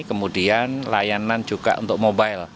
kemudian layanan juga untuk mobile